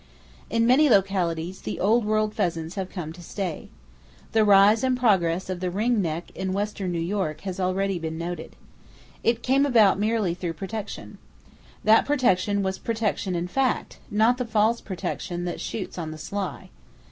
In many localities, the old world pheasants have come to stay. The rise and progress of the ring neck in western New York has already been noted. It came about merely through protection. That protection was protection in fact, not the false "protection" that shoots on the sly.